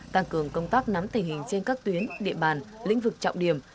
tăng cường công tác nắm tình hình trên các tuyến địa bàn lĩnh vực trọng điểm